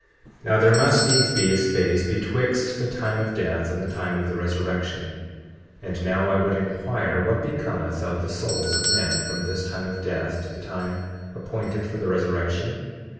40:6 Now there must needs be a space betwixt the time of death and the time of the resurrection. 40:7 And now I would inquire what becometh of the souls of men from this time of death to the time appointed for the resurrection?